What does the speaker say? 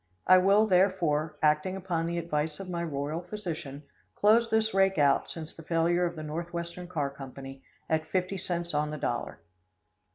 I will, therefore, acting upon the advice of my royal physician, close this rake out, since the failure of the Northwestern Car Company, at 50 cents on the dollar.